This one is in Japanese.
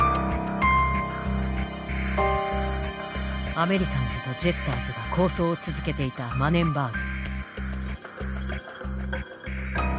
アメリカンズとジェスターズが抗争を続けていたマネンバーグ。